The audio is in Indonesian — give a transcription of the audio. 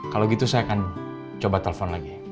kalau gitu saya akan coba telepon lagi